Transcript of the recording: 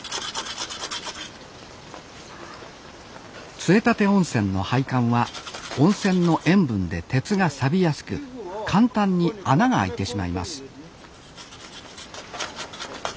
杖立温泉の配管は温泉の塩分で鉄がさびやすく簡単に穴が開いてしまいます